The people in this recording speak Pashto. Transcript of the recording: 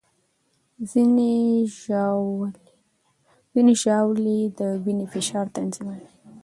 ځینې ژاولې د وینې فشار تنظیموي.